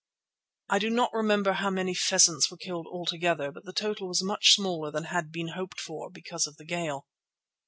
I do not remember how many pheasants were killed altogether, but the total was much smaller than had been hoped for, because of the gale.